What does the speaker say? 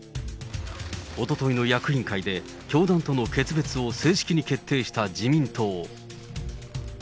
おとといの役員会で、教団との決別を正式に決定した自民党。